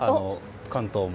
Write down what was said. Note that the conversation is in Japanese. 関東も。